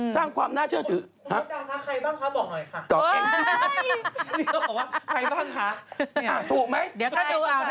สร้างความน่าเชื่อถือคุณพุทธดาราใครบ้างคะบอกหน่อยค่ะ